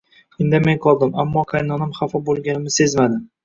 Indamay qoldim, ammo qaynonam xafa bo`lganimni sezmadi